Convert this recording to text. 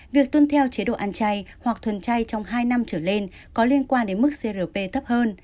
việc tuân theo chế độ ăn chay hoặc thuần chay trong hai năm trở lên có liên quan đến mức crp thấp hơn